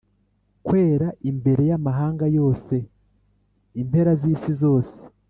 Kwera imbere y amahanga yose impera z isi zose